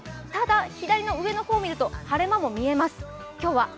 ただ、左の上の方を見ると晴れ間も見えます。